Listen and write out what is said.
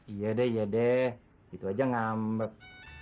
iya deh itu aja ngambek